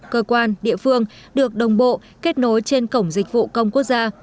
cơ quan địa phương được đồng bộ kết nối trên cổng dịch vụ công quốc gia